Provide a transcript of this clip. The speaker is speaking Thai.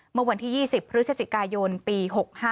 เมื่อวันที่๒๐พฤศจิกายนปี๖๕